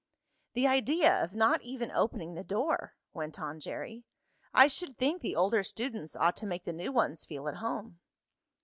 "The idea of not even opening the door," went on Jerry. "I should think the older students ought to make the new ones feel at home."